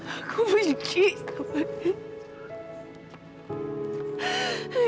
aku benci sama dia